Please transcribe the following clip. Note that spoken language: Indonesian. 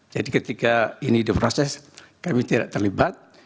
jadi ketika ini diproses kami tidak terlibat